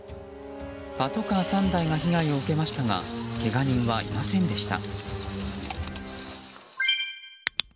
パトカー３台が被害を受けましたがけが人はいませんでした。